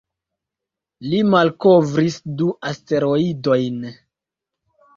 Li malkovris du asteroidojn.